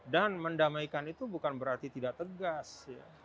dan mendamaikan itu bukan berarti tidak tegas